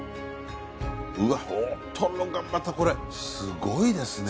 うわっ大トロがまたこれすごいですね。